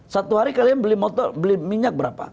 satu hari kalian beli minyak berapa